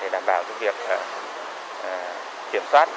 đảm bảo việc kiểm soát